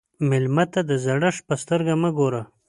مېلمه ته د زړښت په سترګه مه ګوره.